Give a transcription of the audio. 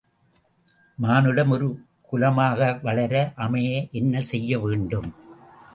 மானுடம் ஒரு குலமாக வளர, அமைய என்ன செய்ய வேண்டும்?